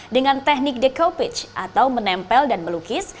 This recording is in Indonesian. dengan teknik decoupage atau menempel dan melukis